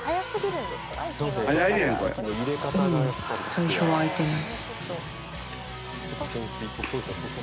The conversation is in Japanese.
最初は開いてない。